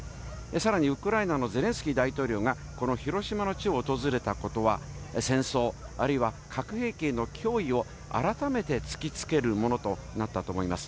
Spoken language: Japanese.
さらにウクライナのゼレンスキー大統領が、この広島の地を訪れたことは、戦争あるいは核兵器への脅威を、改めて突きつけるものとなったと思います。